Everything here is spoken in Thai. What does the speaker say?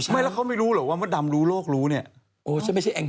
กระเทยเก่งกว่าเออแสดงความเป็นเจ้าข้าว